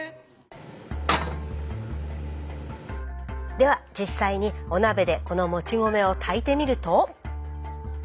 では実際にお鍋でこのもち米を炊いてみると。